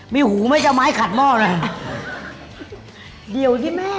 มีหูแม่เจอไม้ขัดหม้อเลย